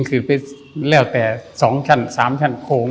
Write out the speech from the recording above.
คือไปแล้วแต่๒ชั้น๓ชั้นโค้ง